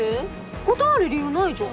断る理由ないじゃん。